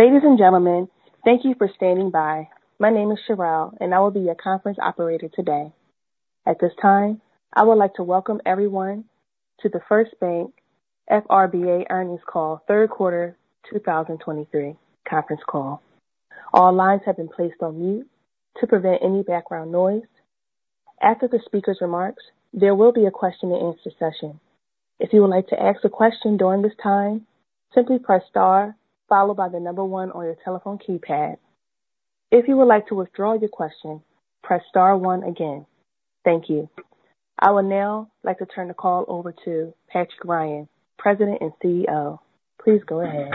Ladies and gentlemen, thank you for standing by. My name is Cheryl, and I will be your conference operator today. At this time, I would like to welcome everyone to the First Bank FRBA Earnings Call, Third Quarter 2023 Conference Call. All lines have been placed on mute to prevent any background noise. After the speaker's remarks, there will be a question and answer session. If you would like to ask a question during this time, simply press star followed by the number one on your telephone keypad. If you would like to withdraw your question, press star one again. Thank you. I would now like to turn the call over to Patrick Ryan, President and CEO. Please go ahead.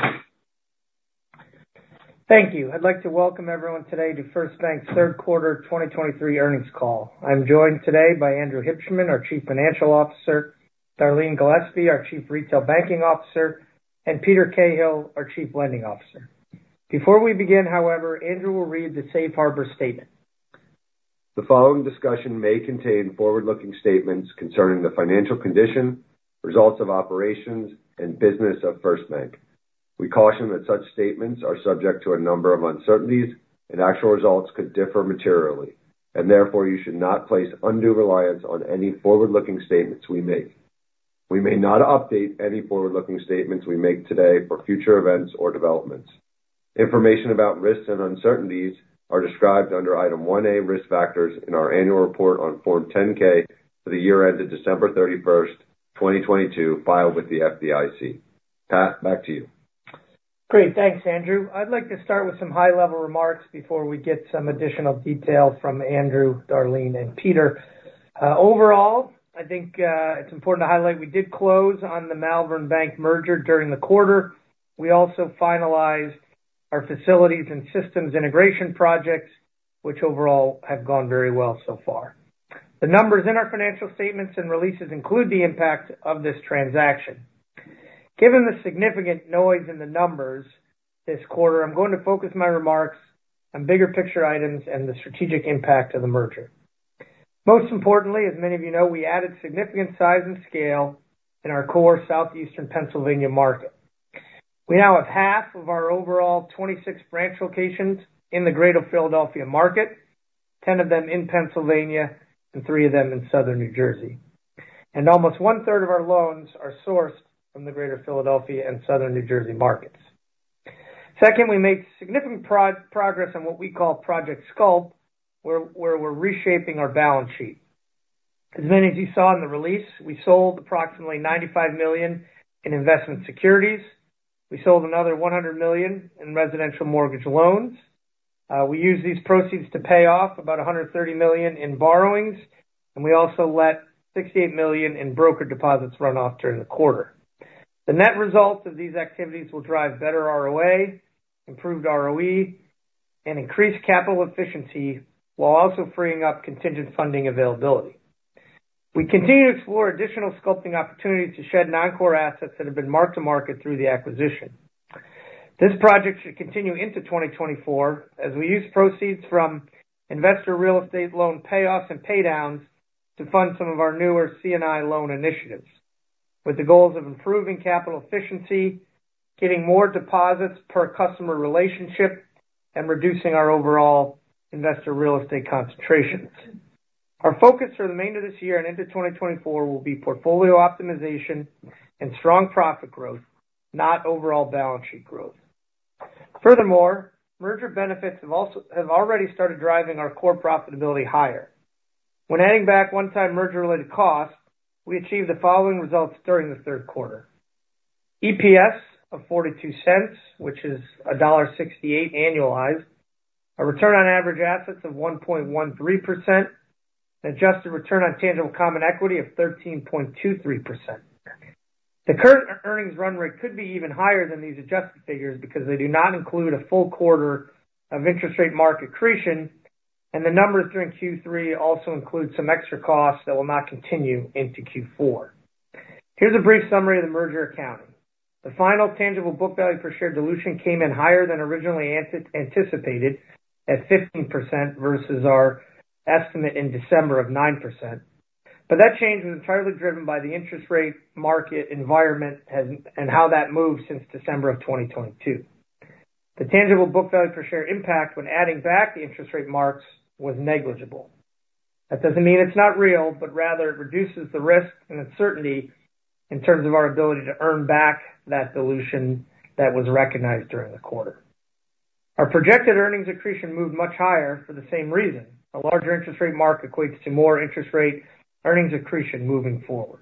Thank you. I'd like to welcome everyone today to First Bank's Third Quarter 2023 Earnings call. I'm joined today by Andrew Hibshman, our Chief Financial Officer, Darleen Gillespie, our Chief Retail Banking Officer, and Peter Cahill, our Chief Lending Officer. Before we begin, however, Andrew will read the Safe Harbor statement. The following discussion may contain forward-looking statements concerning the financial condition, results of operations, and business of First Bank. We caution that such statements are subject to a number of uncertainties, and actual results could differ materially, and therefore you should not place undue reliance on any forward-looking statements we make. We may not update any forward-looking statements we make today for future events or developments. Information about risks and uncertainties are described under Item 1A, Risk Factors in our annual report on Form 10-K for the year ended December 31st, 2022, filed with the FDIC. Pat, back to you. Great. Thanks, Andrew. I'd like to start with some high-level remarks before we get some additional detail from Andrew, Darleen, and Peter. Overall, I think it's important to highlight, we did close on the Malvern Bank merger during the quarter. We also finalized our facilities and systems integration projects, which overall have gone very well so far. The numbers in our financial statements and releases include the impact of this transaction. Given the significant noise in the numbers this quarter, I'm going to focus my remarks on bigger picture items and the strategic impact of the merger. Most importantly, as many of you know, we added significant size and scale in our core Southeastern Pennsylvania market. We now have half of our overall 26 branch locations in the Greater Philadelphia market, 10 of them in Pennsylvania and three of them in Southern New Jersey. And almost one-third of our loans are sourced from the Greater Philadelphia and Southern New Jersey markets. Second, we made significant progress on what we call Project Sculpt, where we're reshaping our balance sheet. As many of you saw in the release, we sold approximately $95 million in investment securities. We sold another $100 million in residential mortgage loans. We used these proceeds to pay off about $130 million in borrowings, and we also let $68 million in broker deposits run off during the quarter. The net results of these activities will drive better ROA, improved ROE, and increase capital efficiency, while also freeing up contingent funding availability. We continue to explore additional sculpting opportunities to shed non-core assets that have been mark-to-market through the acquisition. This project should continue into 2024 as we use proceeds from investor real estate loan payoffs and paydowns to fund some of our newer C&I loan initiatives, with the goals of improving capital efficiency, getting more deposits per customer relationship, and reducing our overall investor real estate concentrations. Our focus for the remainder of this year and into 2024 will be portfolio optimization and strong profit growth, not overall balance sheet growth. Furthermore, merger benefits have already started driving our core profitability higher. When adding back one-time merger-related costs, we achieved the following results during the third quarter: EPS of $0.42, which is $1.68 annualized, a return on average assets of 1.13%, an adjusted return on tangible common equity of 13.23%. The current earnings run rate could be even higher than these adjusted figures because they do not include a full quarter of interest rate mark accretion, and the numbers during Q3 also include some extra costs that will not continue into Q4. Here's a brief summary of the merger accounting. The final tangible book value per share dilution came in higher than originally anticipated, at 15% versus our estimate in December of 2022. But that change is entirely driven by the interest rate market environment and how that moved since December of 2022. The tangible book value per share impact when adding back the interest rate marks was negligible. That doesn't mean it's not real, but rather it reduces the risk and uncertainty in terms of our ability to earn back that dilution that was recognized during the quarter. Our projected earnings accretion moved much higher for the same reason. A larger interest rate mark equates to more interest rate earnings accretion moving forward.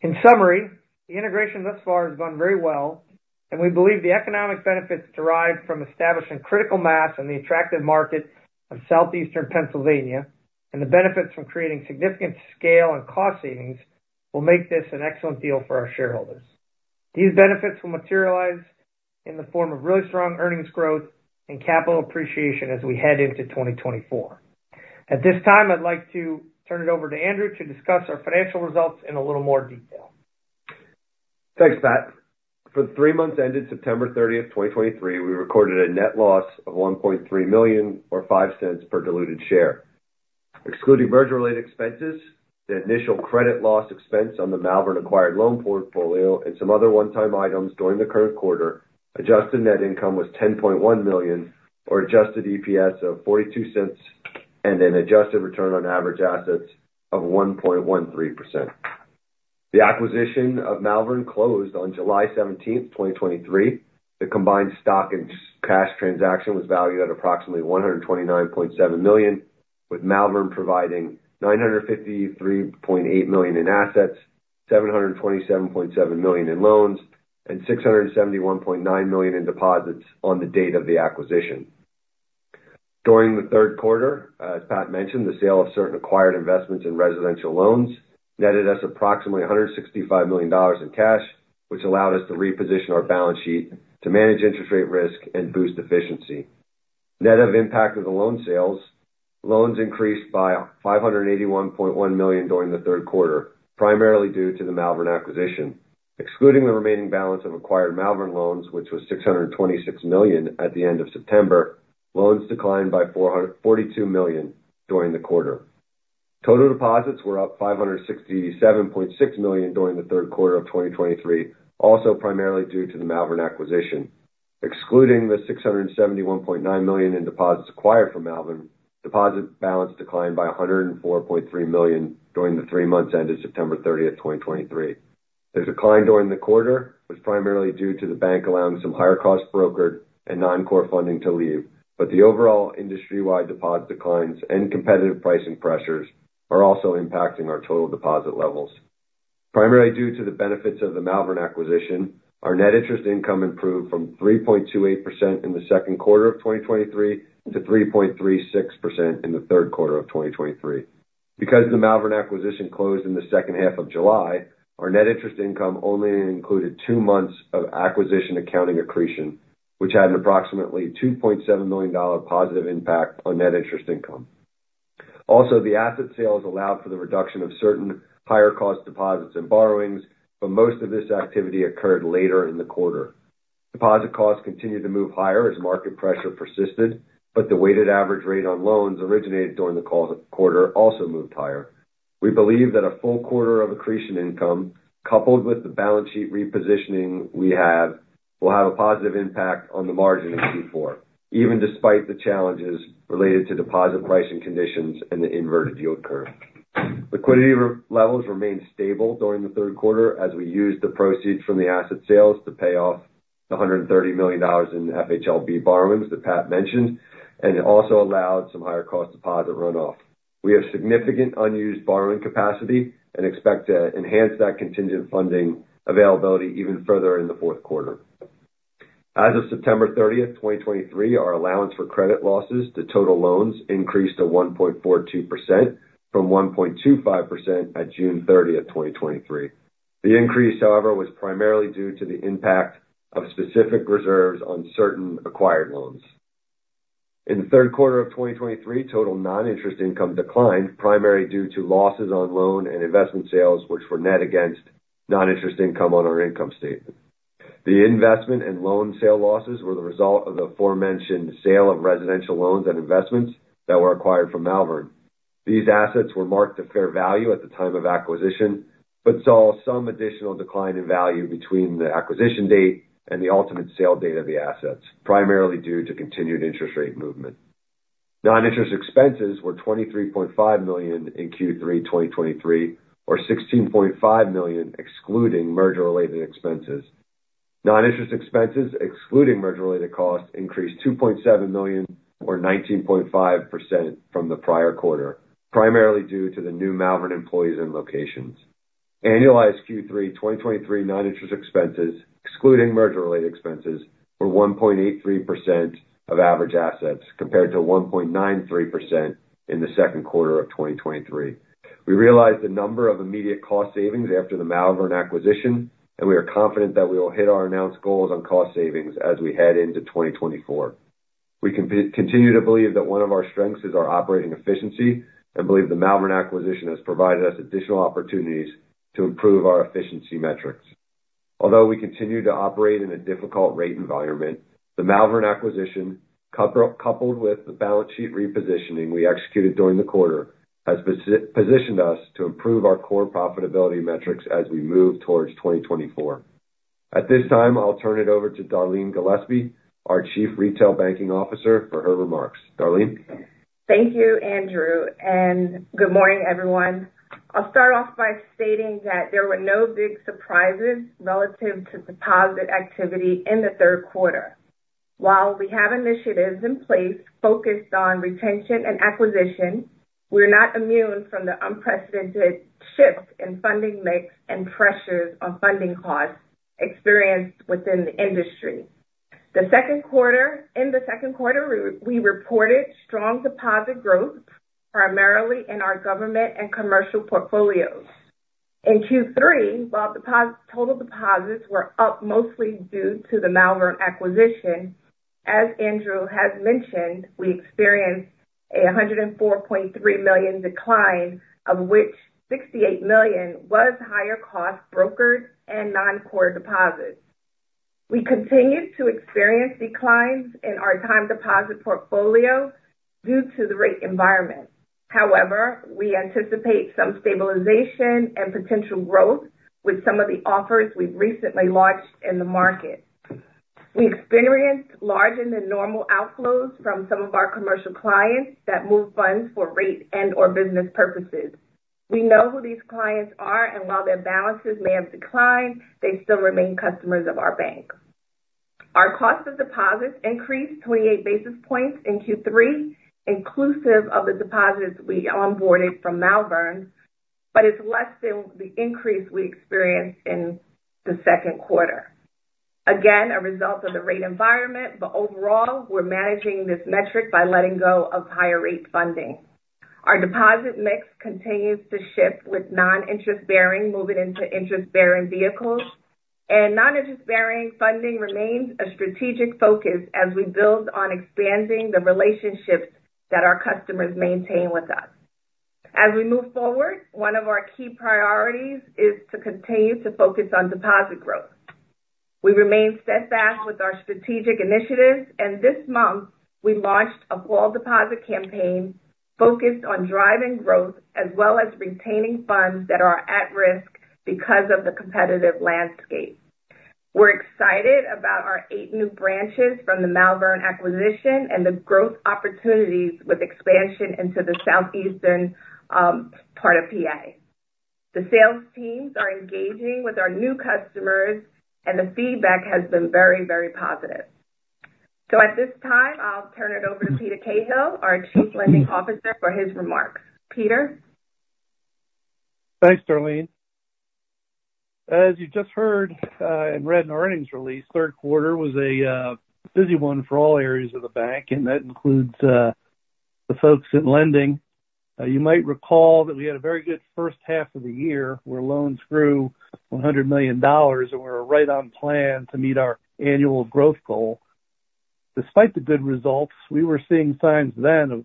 In summary, the integration thus far has gone very well, and we believe the economic benefits derived from establishing critical mass in the attractive market of southeastern Pennsylvania, and the benefits from creating significant scale and cost savings will make this an excellent deal for our shareholders. These benefits will materialize in the form of really strong earnings growth and capital appreciation as we head into 2024. At this time, I'd like to turn it over to Andrew to discuss our financial results in a little more detail. Thanks, Pat. For the three months ended September 30, 2023, we recorded a net loss of $1.3 million or $0.05 per diluted share, excluding merger-related expenses, the initial credit loss expense on the Malvern acquired loan portfolio and some other one-time items during the current quarter, adjusted net income was $10.1 million, or adjusted EPS of $0.42, and an adjusted return on average assets of 1.13%. The acquisition of Malvern closed on July 17th, 2023. The combined stock and cash transaction was valued at approximately $129.7 million, with Malvern providing $953.8 million in assets, $727.7 million in loans, and $671.9 million in deposits on the date of the acquisition. During the third quarter, as Pat mentioned, the sale of certain acquired investments in residential loans netted us approximately $165 million in cash, which allowed us to reposition our balance sheet to manage interest rate risk and boost efficiency. Net of impact of the loan sales, loans increased by $581.1 million during the third quarter, primarily due to the Malvern acquisition. Excluding the remaining balance of acquired Malvern loans, which was $626 million at the end of September, loans declined by $442 million during the quarter. Total deposits were up $567.6 million during the third quarter of 2023, also primarily due to the Malvern acquisition. Excluding the $671.9 million in deposits acquired from Malvern, deposit balance declined by $104.3 million during the three months ended September 30, 2023. The decline during the quarter was primarily due to the bank allowing some higher cost brokered and non-core funding to leave, but the overall industry-wide deposit declines and competitive pricing pressures are also impacting our total deposit levels. Primarily due to the benefits of the Malvern acquisition, our net interest income improved from 3.28% in the second quarter of 2023 to 3.36% in the third quarter of 2023. Because the Malvern acquisition closed in the second half of July, our net interest income only included two months of acquisition accounting accretion, which had an approximately $2.7 million positive impact on net interest income. Also, the asset sales allowed for the reduction of certain higher cost deposits and borrowings, but most of this activity occurred later in the quarter. Deposit costs continued to move higher as market pressure persisted, but the weighted average rate on loans originated during the quarter also moved higher. We believe that a full quarter of accretion income, coupled with the balance sheet repositioning we have, will have a positive impact on the margin in Q4, even despite the challenges related to deposit pricing conditions and the inverted yield curve. Liquidity levels remained stable during the third quarter as we used the proceeds from the asset sales to pay off $130 million in FHLB borrowings, that Pat mentioned, and it also allowed some higher cost deposit runoff. We have significant unused borrowing capacity and expect to enhance that contingent funding availability even further in the fourth quarter. As of September 30, 2023, our Allowance for Credit Losses to total loans increased to 1.42% from 1.25% at June 30, 2023. The increase, however, was primarily due to the impact of specific reserves on certain acquired loans. In the third quarter of 2023, total non-interest income declined, primarily due to losses on loan and investment sales, which were net against non-interest income on our income statement. The investment and loan sale losses were the result of the aforementioned sale of residential loans and investments that were acquired from Malvern. These assets were marked to fair value at the time of acquisition, but saw some additional decline in value between the acquisition date and the ultimate sale date of the assets, primarily due to continued interest rate movement. Non-interest expenses were $23.5 million in Q3 2023, or $16.5 million, excluding merger-related expenses. Non-interest expenses, excluding merger-related costs, increased $2.7 million, or 19.5% from the prior quarter, primarily due to the new Malvern employees and locations. Annualized Q3 2023 non-interest expenses, excluding merger-related expenses, were 1.83% of average assets, compared to 1.93% in the second quarter of 2023. We realized a number of immediate cost savings after the Malvern acquisition, and we are confident that we will hit our announced goals on cost savings as we head into 2024. We continue to believe that one of our strengths is our operating efficiency and believe the Malvern acquisition has provided us additional opportunities to improve our efficiency metrics. Although we continue to operate in a difficult rate environment, the Malvern acquisition, coupled with the balance sheet repositioning we executed during the quarter, has positioned us to improve our core profitability metrics as we move towards 2024. At this time, I'll turn it over to Darleen Gillespie, our Chief Retail Banking Officer, for her remarks. Darleen? Thank you, Andrew, and good morning, everyone. I'll start off by stating that there were no big surprises relative to deposit activity in the third quarter. While we have initiatives in place focused on retention and acquisition, we're not immune from the unprecedented shift in funding mix and pressures on funding costs experienced within the industry. In the second quarter, we reported strong deposit growth, primarily in our government and commercial portfolios. In Q3, while total deposits were up mostly due to the Malvern acquisition, as Andrew has mentioned, we experienced a $104.3 million decline, of which $68 million was higher cost brokered and non-core deposits. We continue to experience declines in our time deposit portfolio due to the rate environment. However, we anticipate some stabilization and potential growth with some of the offers we've recently launched in the market. We experienced larger than normal outflows from some of our commercial clients that move funds for rate and or business purposes. We know who these clients are, and while their balances may have declined, they still remain customers of our bank. Our cost of deposits increased 28 basis points in Q3, inclusive of the deposits we onboarded from Malvern, but it's less than the increase we experienced in the second quarter. Again, a result of the rate environment, but overall, we're managing this metric by letting go of higher rate funding. Our deposit mix continues to shift, with non-interest bearing moving into interest-bearing vehicles, and non-interest bearing funding remains a strategic focus as we build on expanding the relationships that our customers maintain with us. As we move forward, one of our key priorities is to continue to focus on deposit growth. We remain steadfast with our strategic initiatives, and this month, we launched a fall deposit campaign focused on driving growth as well as retaining funds that are at risk because of the competitive landscape. We're excited about our eight new branches from the Malvern acquisition and the growth opportunities with expansion into the southeastern part of PA. The sales teams are engaging with our new customers and the feedback has been very, very positive. So at this time, I'll turn it over to Peter Cahill, our Chief Lending Officer, for his remarks. Peter? Thanks, Darleen. As you just heard, and read in our earnings release, third quarter was a busy one for all areas of the bank, and that includes the folks in lending. You might recall that we had a very good first half of the year, where loans grew $100 million, and we're right on plan to meet our annual growth goal. Despite the good results, we were seeing signs then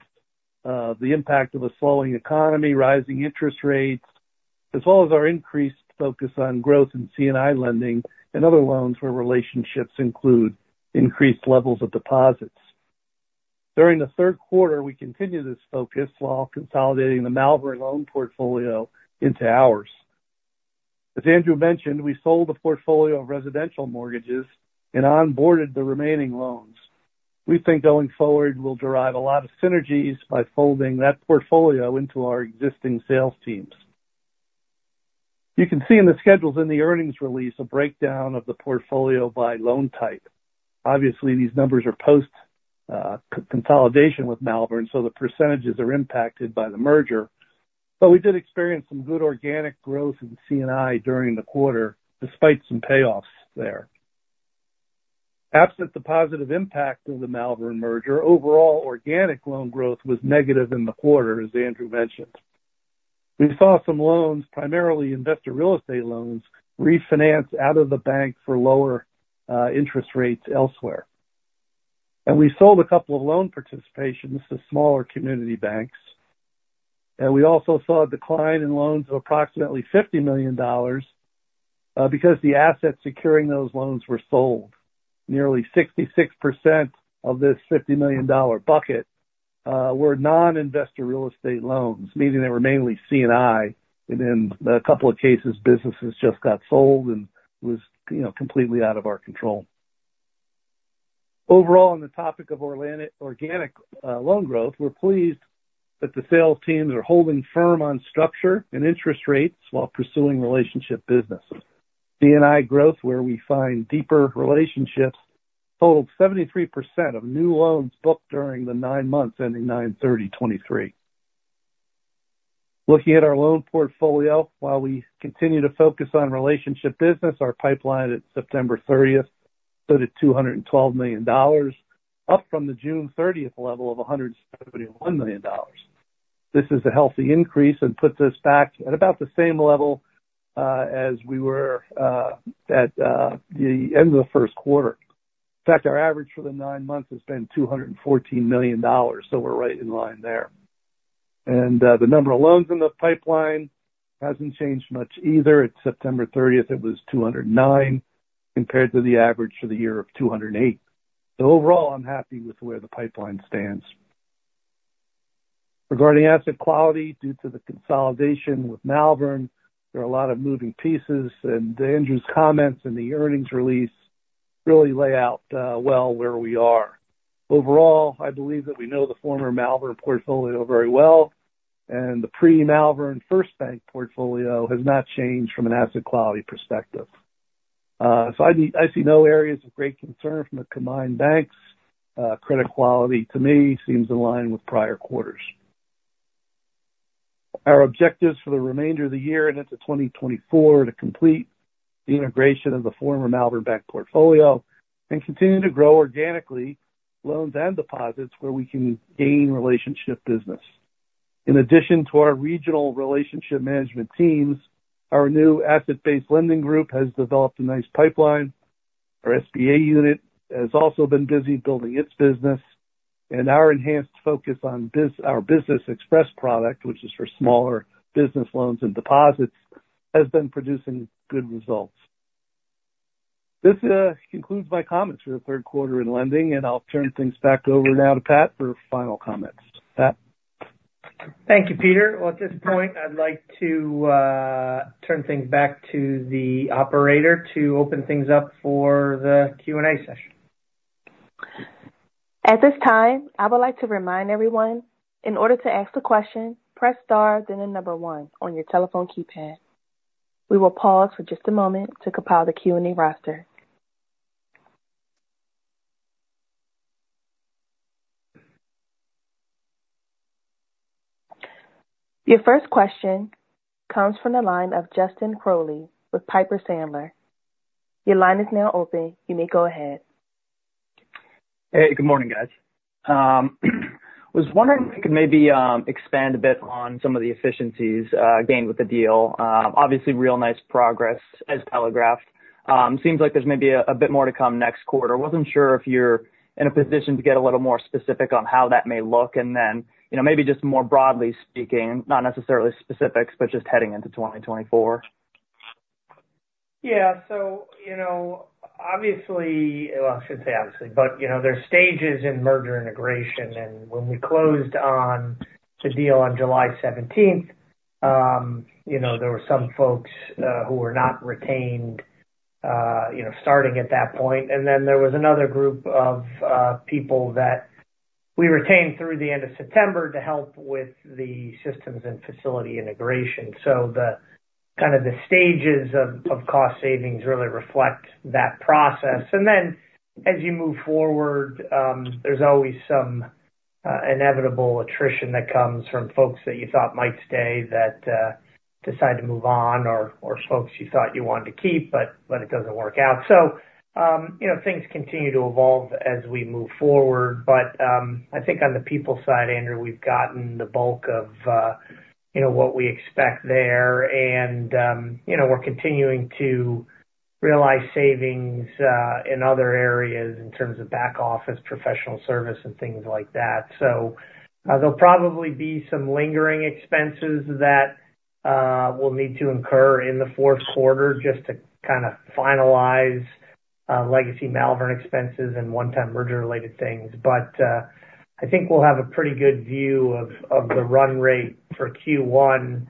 of the impact of a slowing economy, rising interest rates, as well as our increased focus on growth in C&I lending and other loans, where relationships include increased levels of deposits. During the third quarter, we continued this focus while consolidating the Malvern loan portfolio into ours. As Andrew mentioned, we sold the portfolio of residential mortgages and onboarded the remaining loans. We think going forward, we'll derive a lot of synergies by folding that portfolio into our existing sales teams. You can see in the schedules in the earnings release a breakdown of the portfolio by loan type. Obviously, these numbers are post-consolidation with Malvern, so the percentages are impacted by the merger. But we did experience some good organic growth in C&I during the quarter, despite some payoffs there. Absent the positive impact of the Malvern merger, overall organic loan growth was negative in the quarter as Andrew mentioned. We saw some loans, primarily investor real estate loans, refinance out of the bank for lower interest rates elsewhere. And we sold a couple of loan participations to smaller community banks. And we also saw a decline in loans of approximately $50 million because the assets securing those loans were sold. Nearly 66% of this $50 million bucket were non-investor real estate loans, meaning they were mainly C&I, and in a couple of cases, businesses just got sold and was, you know, completely out of our control. Overall, on the topic of organic loan growth, we're pleased that the sales teams are holding firm on structure and interest rates while pursuing relationship business. C&I growth, where we find deeper relationships, totaled 73% of new loans booked during the nine months ending September 30, 2023. Looking at our loan portfolio, while we continue to focus on relationship business, our pipeline at September 30th stood at $212 million, up from the June 30 level of $171 million. This is a healthy increase and puts us back at about the same level, as we were, at the end of the first quarter. In fact, our average for the nine months has been $214 million, so we're right in line there. And, the number of loans in the pipeline hasn't changed much either. At September 30th, it was 209, compared to the average for the year of 208. So overall, I'm happy with the way the pipeline stands. Regarding asset quality, due to the consolidation with Malvern, there are a lot of moving pieces, and Andrew's comments and the earnings release really lay out, well where we are. Overall, I believe that we know the former Malvern portfolio very well, and the pre-Malvern First Bank portfolio has not changed from an asset quality perspective. So, I see, I see no areas of great concern from the combined banks. Credit quality, to me, seems in line with prior quarters. Our objectives for the remainder of the year and into 2024 are to complete the integration of the former Malvern Bank portfolio and continue to grow organically, loans and deposits, where we can gain relationship business. In addition to our regional relationship management teams, our new asset-based lending group has developed a nice pipeline. Our SBA unit has also been busy building its business and our enhanced focus on our Business Express product, which is for smaller business loans and deposits, has been producing good results. This, concludes my comments for the third quarter in lending, and I'll turn things back over now to Pat for final comments. Pat? Thank you, Peter. Well, at this point, I'd like to turn things back to the operator to open things up for the Q&A session. At this time, I would like to remind everyone, in order to ask a question, press star then the number one on your telephone keypad. We will pause for just a moment to compile the Q&A roster. Your first question comes from the line of Justin Crowley with Piper Sandler. Your line is now open. You may go ahead. Hey, good morning, guys. Was wondering if you could maybe expand a bit on some of the efficiencies gained with the deal. Obviously real nice progress as telegraphed. Seems like there's maybe a, a bit more to come next quarter. Wasn't sure if you're in a position to get a little more specific on how that may look, and then, you know, maybe just more broadly speaking, not necessarily specifics, but just heading into 2024. Yeah. So, you know, obviously, well, I shouldn't say obviously, but you know, there's stages in merger integration, and when we closed on the deal on July seventeenth, you know, there were some folks who were not retained, you know, starting at that point. And then there was another group of people that we retained through the end of September to help with the systems and facility integration. So the kind of the stages of cost savings really reflect that process. And then as you move forward, there's always some inevitable attrition that comes from folks that you thought might stay, that decide to move on, or folks you thought you wanted to keep, but it doesn't work out. So, you know, things continue to evolve as we move forward. But, I think on the people side, Andrew, we've gotten the bulk of, you know, what we expect there. And, you know, we're continuing to realize savings in other areas in terms of back office, professional service, and things like that. So, there'll probably be some lingering expenses that we'll need to incur in the fourth quarter just to kind of finalize legacy Malvern expenses and one-time merger-related things. But, I think we'll have a pretty good view of the run rate for Q1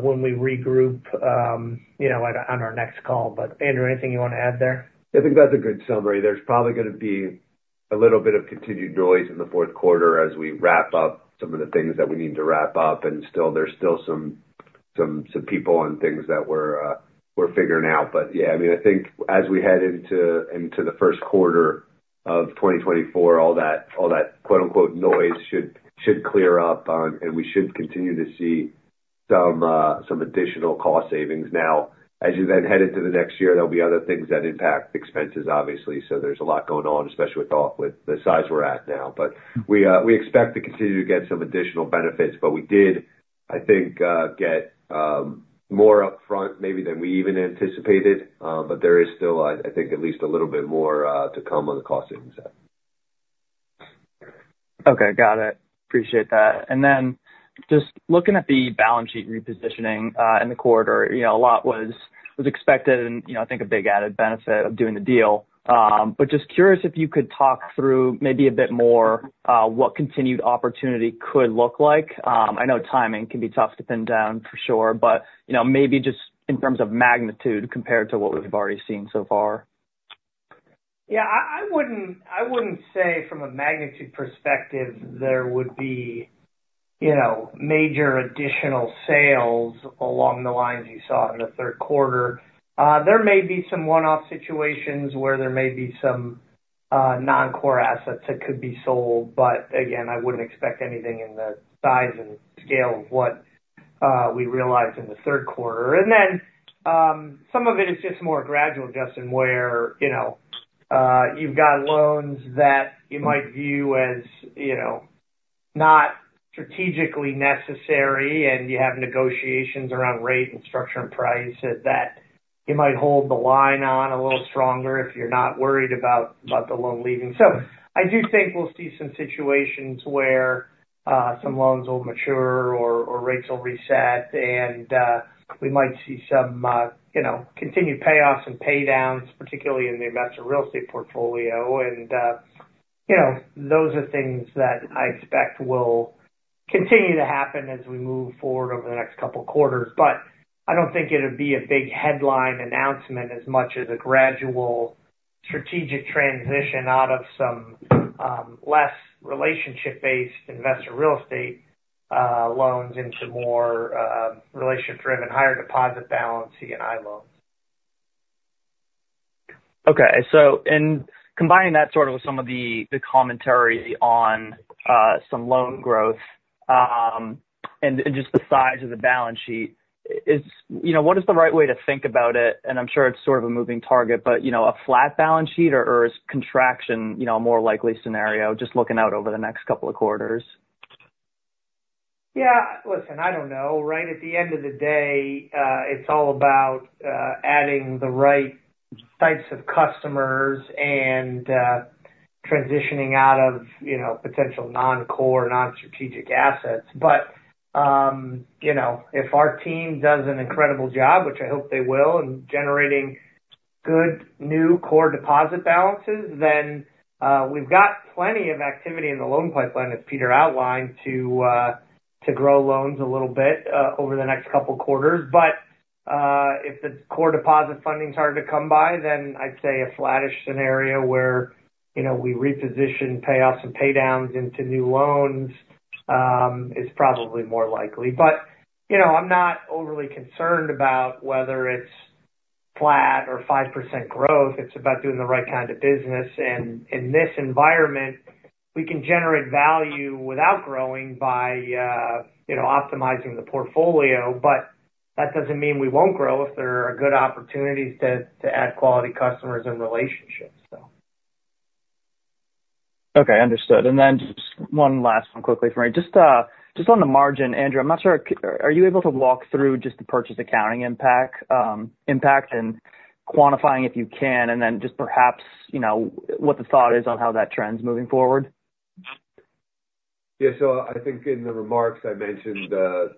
when we regroup, you know, on our next call. But Andrew, anything you want to add there? I think that's a good summary. There's probably gonna be a little bit of continued noise in the fourth quarter as we wrap up some of the things that we need to wrap up, and still, there's still some people and things that we're figuring out. But yeah, I mean, I think as we head into the first quarter of 2024, all that quote-unquote "noise" should clear up, and we should continue to see some additional cost savings. Now, as you then head into the next year, there'll be other things that impact expenses, obviously. So there's a lot going on, especially with the size we're at now. But we expect to continue to get some additional benefits, but we did, I think, get more upfront maybe than we even anticipated. But there is still, I think, at least a little bit more to come on the cost savings side. Okay. Got it. Appreciate that. And then just looking at the balance sheet repositioning in the quarter, you know, a lot was expected and, you know, I think a big added benefit of doing the deal. But just curious if you could talk through maybe a bit more what continued opportunity could look like. I know timing can be tough to pin down for sure, but, you know, maybe just in terms of magnitude compared to what we've already seen so far. Yeah, I wouldn't say from a magnitude perspective there would be, you know, major additional sales along the lines you saw in the third quarter. There may be some one-off situations where there may be some non-core assets that could be sold, but again, I wouldn't expect anything in the size and scale of what we realized in the third quarter. And then, some of it is just more gradual, Justin, where, you know, you've got loans that you might view as, you know, not strategically necessary, and you have negotiations around rate and structure and price that you might hold the line on a little stronger if you're not worried about the loan leaving. So I do think we'll see some situations where some loans will mature or rates will reset, and we might see some you know, continued payoffs and pay downs, particularly in the Investor Real Estate portfolio. And you know, those are things that I expect will continue to happen as we move forward over the next couple quarters. But I don't think it'll be a big headline announcement as much as a gradual strategic transition out of some less relationship-based Investor Real Estate Loans into more relationship-driven, higher deposit balance C&I loans. Okay. So combining that sort of with some of the commentary on some loan growth, and just the size of the balance sheet is, you know, what is the right way to think about it? And I'm sure it's sort of a moving target, but, you know, a flat balance sheet or is contraction, you know, a more likely scenario, just looking out over the next couple of quarters? Yeah, listen, I don't know, right? At the end of the day, it's all about, adding the right types of customers and, transitioning out of, you know, potential non-core, non-strategic assets. But, you know, if our team does an incredible job, which I hope they will, in generating good new core deposit balances, then, we've got plenty of activity in the loan pipeline, as Peter outlined, to, to grow loans a little bit, over the next couple quarters. But, if the core deposit funding is hard to come by, then I'd say a flattish scenario where, you know, we reposition payoffs and pay downs into new loans, is probably more likely. But, you know, I'm not overly concerned about whether it's flat or 5% growth. It's about doing the right kind of business, and in this environment, we can generate value without growing by, you know, optimizing the portfolio. But that doesn't mean we won't grow if there are good opportunities to add quality customers and relationships, so. Okay, understood. And then just one last one quickly for me. Just, just on the margin, Andrew, I'm not sure, are you able to walk through just the purchase accounting impact, impact and quantifying, if you can, and then just perhaps, you know, what the thought is on how that trends moving forward? Yeah. So I think in the remarks, I mentioned the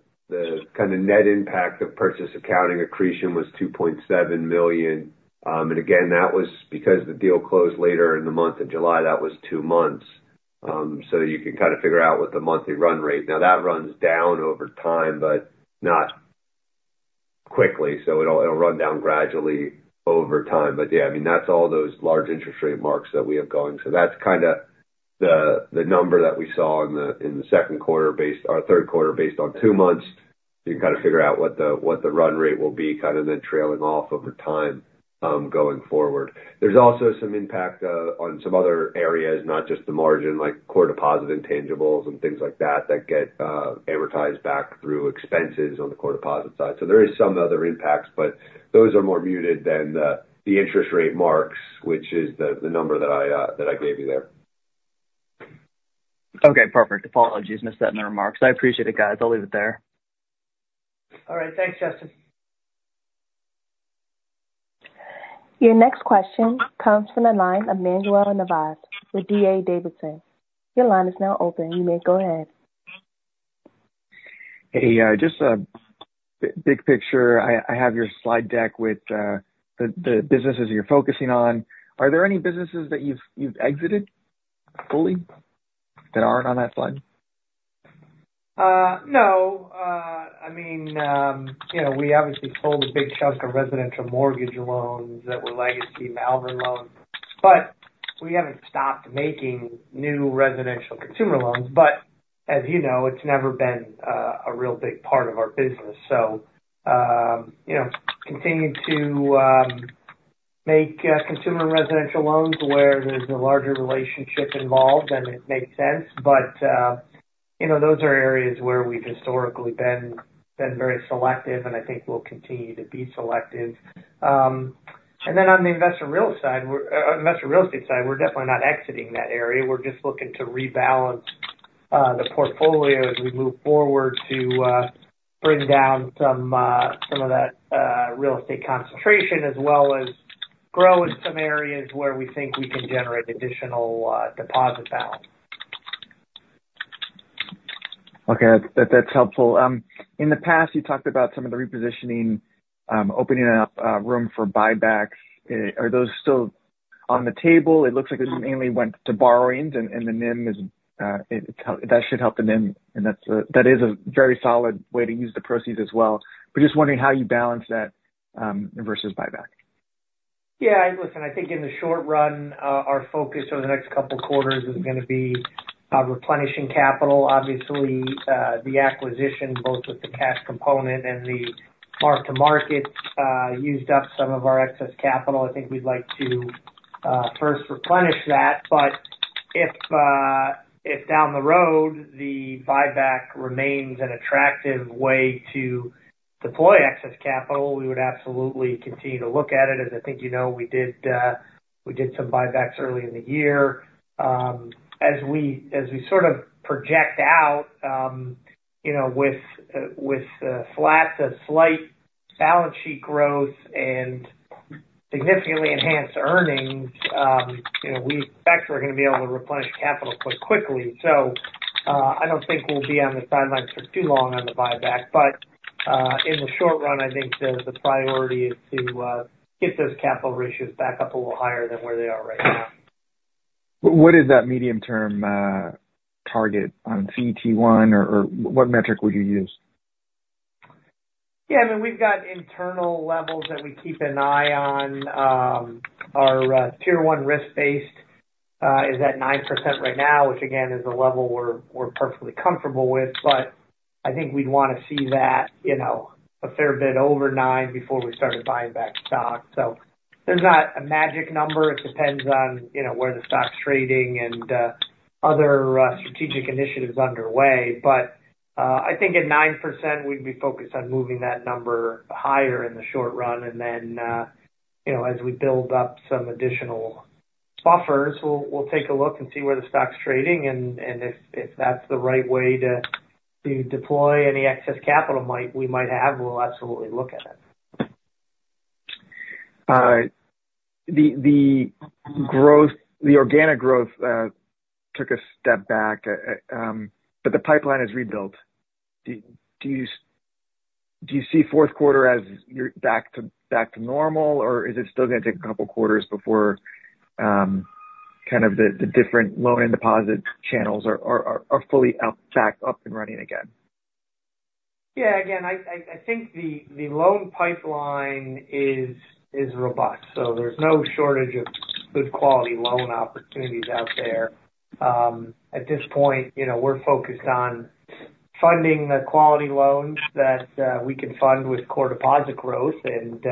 kind of net impact of purchase accounting accretion was $2.7 million. And again, that was because the deal closed later in the month of July. That was two months. So you can kind of figure out what the monthly run rate. Now, that runs down over time, but not quickly, so it'll run down gradually over time. But yeah, I mean, that's all those large interest rate marks that we have going. So that's kind of the number that we saw in the second quarter based or third quarter, based on two months. You can kind of figure out what the run rate will be, kind of, then trailing off over time, going forward. There's also some impact on some other areas, not just the margin, like Core Deposit Intangibles and things like that, that get amortized back through expenses on the core deposit side. So there is some other impacts, but those are more muted than the interest rate marks, which is the number that I that I gave you there. Okay, perfect. Apologies, missed that in the remarks. I appreciate it, guys. I'll leave it there. All right. Thanks, Justin. Your next question comes from the line of Manuel Navas with D.A. Davidson. Your line is now open. You may go ahead. Hey, just a big picture. I have your slide deck with the businesses you're focusing on. Are there any businesses that you've exited fully that aren't on that slide? No. I mean, you know, we obviously sold a big chunk of residential mortgage loans that were legacy Malvern loans, but we haven't stopped making new residential consumer loans. But as you know, it's never been a real big part of our business. So, you know, continuing to make consumer residential loans where there's a larger relationship involved and it makes sense. But, you know, those are areas where we've historically been very selective, and I think we'll continue to be selective. And then on the investment real estate side, we're definitely not exiting that area. We're just looking to rebalance the portfolio as we move forward to bring down some of that real estate concentration, as well as grow in some areas where we think we can generate additional deposit balance. Okay, that's helpful. In the past, you talked about some of the repositioning, opening up room for buybacks. Are those still on the table? It looks like it mainly went to borrowings and the NIM is, that should help the NIM, and that's a very solid way to use the proceeds as well. But just wondering how you balance that versus buyback? Yeah, listen, I think in the short run, our focus over the next couple of quarters is going to be replenishing capital. Obviously, the acquisition, both with the cash component and the mark-to-market, used up some of our excess capital. I think we'd like to first replenish that, but if, if down the road, the buyback remains an attractive way to deploy excess capital, we would absolutely continue to look at it. As I think, you know, we did, we did some buybacks early in the year. As we, as we sort of project out, you know, with, with flat to slight balance sheet growth and significantly enhanced earnings, you know, we expect we're going to be able to replenish capital quite quickly. So, I don't think we'll be on the sidelines for too long on the buyback, but, in the short run, I think the priority is to get those capital ratios back up a little higher than where they are right now. What is that medium-term target on CET1, or what metric would you use? Yeah, I mean, we've got internal levels that we keep an eye on. Our Tier 1 risk-based capital is at 9% right now, which again, is a level we're perfectly comfortable with. But I think we'd want to see that, you know, a fair bit over 9% before we started buying back stock. So there's not a magic number. It depends on, you know, where the stock's trading and other strategic initiatives underway. But I think at 9%, we'd be focused on moving that number higher in the short run, and then, you know, as we build up some additional buffers, we'll take a look and see where the stock's trading, and if that's the right way to deploy any excess capital we might have, we'll absolutely look at it. The growth, the organic growth, took a step back, but the pipeline is rebuilt. Do you see fourth quarter as your back to normal? Or is it still gonna take a couple quarters before kind of the different loan and deposit channels are fully up, back, up and running again? Yeah, again, I think the loan pipeline is robust, so there's no shortage of good quality loan opportunities out there. At this point, you know, we're focused on funding the quality loans that we can fund with core deposit growth. And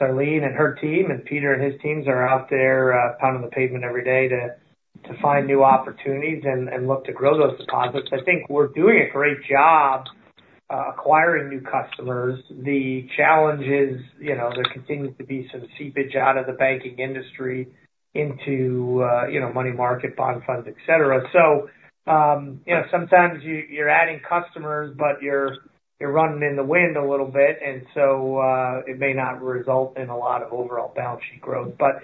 Darleen and her team, and Peter and his teams are out there pounding the pavement every day to find new opportunities and look to grow those deposits. I think we're doing a great job acquiring new customers. The challenge is, you know, there continues to be some seepage out of the banking industry into you know, money market, bond funds, et cetera. So you know, sometimes you're adding customers, but you're running in the wind a little bit, and so it may not result in a lot of overall balance sheet growth. But,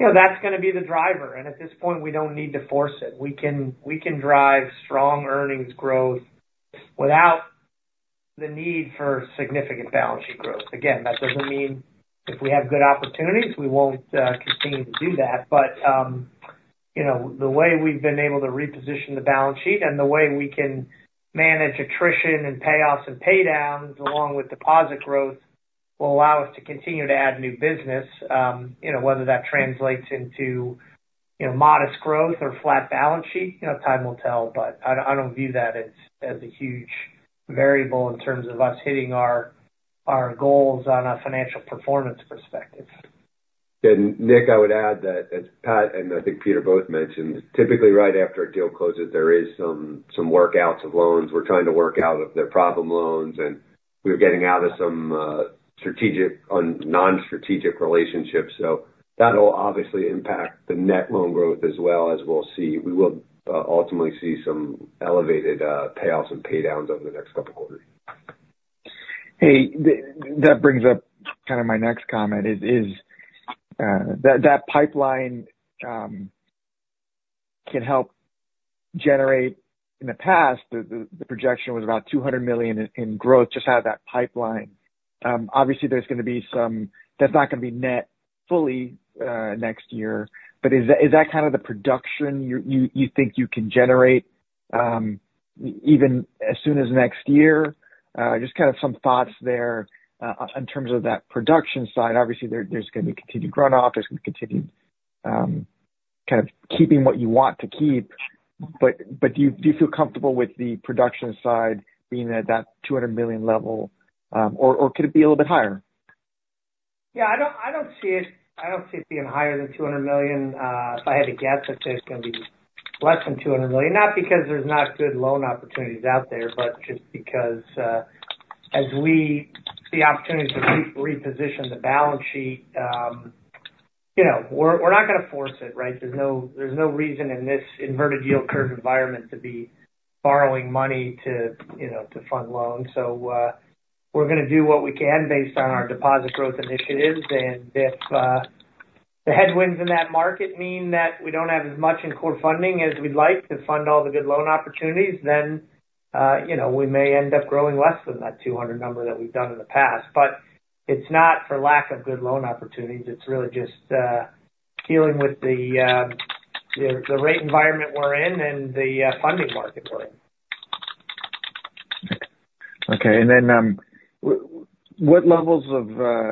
you know, that's gonna be the driver, and at this point, we don't need to force it. We can, we can drive strong earnings growth without the need for significant balance sheet growth. Again, that doesn't mean if we have good opportunities, we won't continue to do that. But, you know, the way we've been able to reposition the balance sheet and the way we can manage attrition and payoffs and pay downs, along with deposit growth, will allow us to continue to add new business. You know, whether that translates into, you know, modest growth or flat balance sheet, you know, time will tell, but I don't, I don't view that as, as a huge variable in terms of us hitting our, our goals on a financial performance perspective. And Nick, I would add that, as Pat, and I think Peter both mentioned, typically right after a deal closes, there is some workouts of loans. We're trying to work out if they're problem loans, and we're getting out of some strategic and non-strategic relationships. So that'll obviously impact the net loan growth as well, as we'll see. We will ultimately see some elevated payoffs and pay downs over the next couple of quarters. Hey, that brings up kind of my next comment is that pipeline can help generate in the past, the projection was about $200 million in growth, just out of that pipeline. Obviously, there's gonna be that's not gonna be net fully next year, but is that kind of the production you think you can generate even as soon as next year? Just kind of some thoughts there in terms of that production side. Obviously, there's gonna be continued runoff. There's gonna be continued kind of keeping what you want to keep, but do you feel comfortable with the production side being at that $200 million level or could it be a little bit higher? Yeah, I don't see it being higher than $200 million. If I had to guess, I'd say it's gonna be less than $200 million. Not because there's not good loan opportunities out there, but just because, as we see opportunities to reposition the balance sheet, you know, we're not gonna force it, right? There's no reason in this inverted yield curve environment to be borrowing money to, you know, to fund loans. So, we're gonna do what we can based on our deposit growth initiatives. And if the headwinds in that market mean that we don't have as much in core funding as we'd like to fund all the good loan opportunities, then, you know, we may end up growing less than that $200 number that we've done in the past. But it's not for lack of good loan opportunities. It's really just dealing with the rate environment we're in and the funding market we're in. Okay. And then, what levels of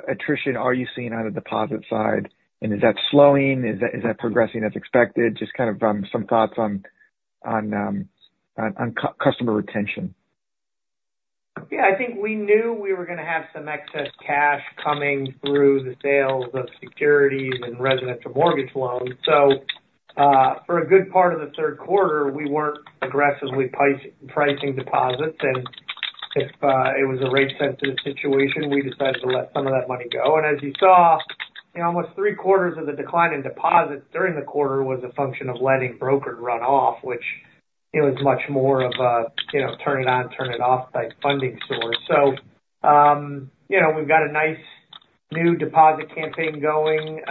attrition are you seeing on the deposit side? And is that slowing? Is that progressing as expected? Just kind of some thoughts on customer retention. Yeah, I think we knew we were gonna have some excess cash coming through the sales of securities and residential mortgage loans, so for a good part of the third quarter, we weren't aggressively pricing deposits. And if it was a rate-sensitive situation, we decided to let some of that money go. And as you saw, you know, almost three quarters of the decline in deposits during the quarter was a function of letting brokered run off, which, you know, is much more of a, you know, turn it on, turn it off type funding source. So, you know, we've got a nice new deposit campaign going.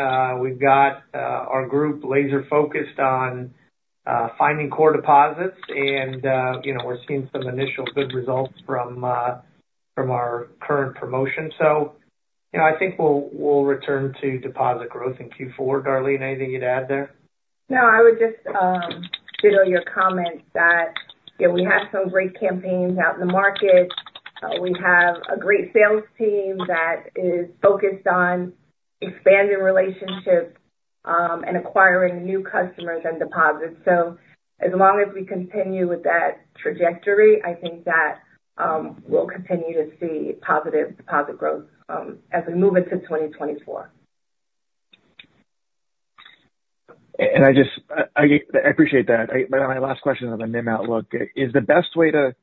We've got our group laser focused on finding core deposits and, you know, we're seeing some initial good results from our current promotion. You know, I think we'll, we'll return to deposit growth in Q4. Darleen, anything you'd add there? No, I would just echo your comment that, you know, we have some great campaigns out in the market. We have a great sales team that is focused on expanding relationships and acquiring new customers and deposits. So as long as we continue with that trajectory, I think that we'll continue to see positive deposit growth as we move into 2024. I appreciate that. But my last question on the NIM outlook, is the best way to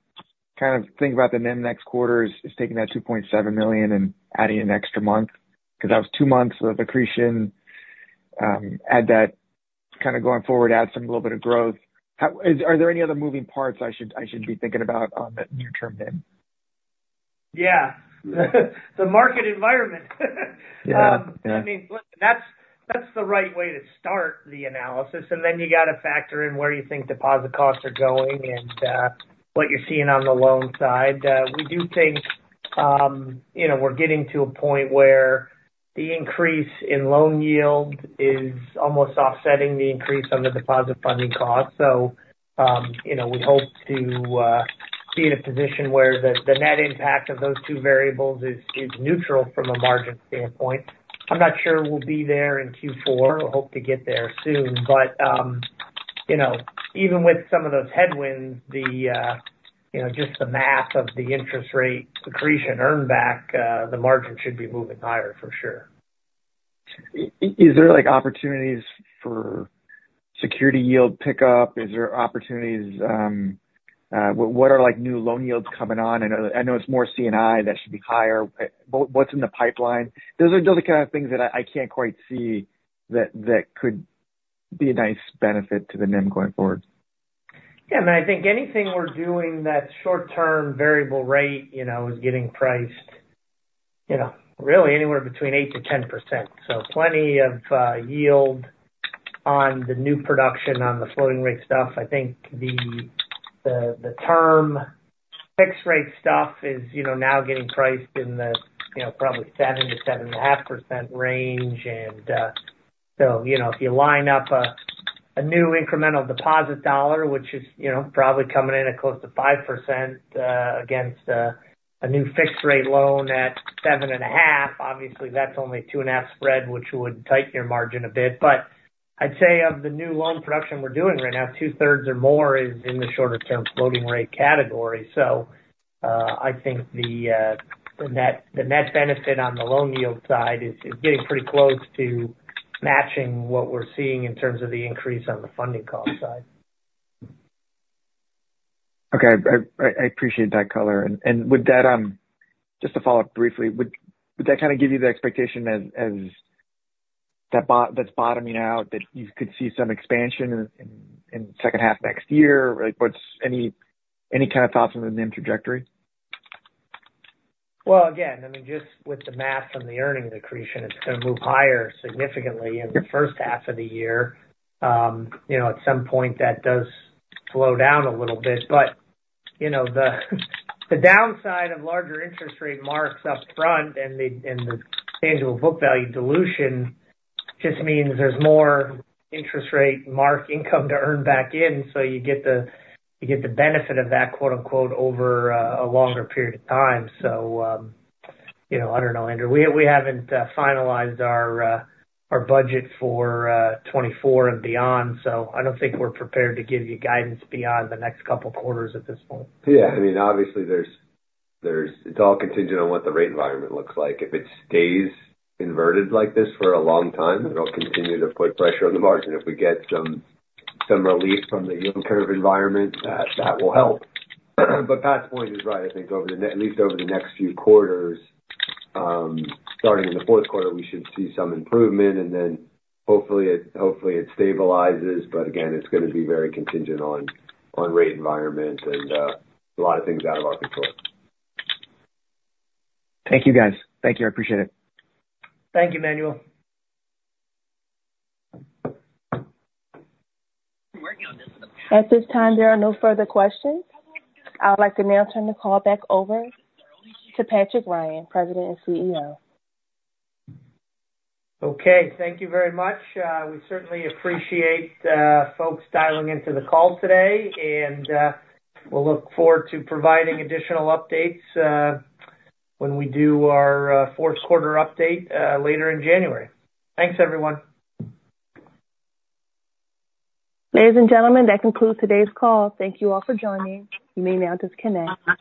kind of think about the NIM next quarter is taking that $2.7 million and adding an extra month? Because that was two months of accretion, add that kind of going forward, add some little bit of growth. How are there any other moving parts I should be thinking about on the near term NIM? Yeah. The market environment. Yeah. I mean, look, that's, that's the right way to start the analysis, and then you gotta factor in where you think deposit costs are going and what you're seeing on the loan side. We do think, you know, we're getting to a point where the increase in loan yield is almost offsetting the increase on the deposit funding cost. So, you know, we hope to be in a position where the net impact of those two variables is neutral from a margin standpoint. I'm not sure we'll be there in Q4. I hope to get there soon, but, you know, even with some of those headwinds, you know, just the math of the interest rate accretion earn back, the margin should be moving higher for sure. Is there like, opportunities for security yield pickup? Is there opportunities, uhm, what, what are like, new loan yields coming on? I know, I know it's more C&I that should be higher. But what's in the pipeline? Those are the kind of things that I can't quite see that could be a nice benefit to the NIM going forward. Yeah, I mean, I think anything we're doing that short-term variable rate, you know, is getting priced, you know, really anywhere between 8%-10%. So plenty of yield on the new production, on the floating rate stuff. I think the term fixed rate stuff is, you know, now getting priced in the, you know, probably 7%-7.5% range. And so, you know, if you line up a new incremental deposit dollar, which is, you know, probably coming in at close to 5%, against a new fixed rate loan at 7.5, obviously that's only 2.5 spread, which would tighten your margin a bit. But I'd say of the new loan production we're doing right now, 2/3 or more is in the shorter term floating rate category. I think the net benefit on the loan yield side is getting pretty close to matching what we're seeing in terms of the increase on the funding cost side. Okay. I appreciate that color. And would that kind of give you the expectation as that's bottoming out, that you could see some expansion in second half of next year? Like, what's any kind of thoughts on the NIM trajectory? Well, again, I mean, just with the math on the earnings accretion, it's gonna move higher significantly in the first half of the year. You know, at some point that does slow down a little bit, but, you know, the, the downside of larger interest rate marks up front and the, and the tangible book value dilution, just means there's more interest rate mark income to earn back in, so you get the, you get the benefit of that, quote, unquote, "Over a longer period of time." So, you know, I don't know, Andrew. We, we haven't finalized our, our budget for 2024 and beyond, so I don't think we're prepared to give you guidance beyond the next couple quarters at this point. Yeah. I mean, obviously there's, there's, it's all contingent on what the rate environment looks like. If it stays inverted like this for a long time, it'll continue to put pressure on the margin. If we get some relief from the yield curve environment, that will help. But Pat's point is right. I think over at least the next few quarters, starting in the fourth quarter, we should see some improvement, and then hopefully it stabilizes. But again, it's gonna be very contingent on rate environment and a lot of things out of our control. Thank you, guys. Thank you. I appreciate it. Thank you, Manuel. At this time, there are no further questions. I would like to now turn the call back over to Patrick Ryan, President and CEO. Okay, thank you very much. We certainly appreciate folks dialing into the call today, and we'll look forward to providing additional updates when we do our fourth quarter update later in January. Thanks, everyone. Ladies and gentlemen, that concludes today's call. Thank you all for joining. You may now disconnect.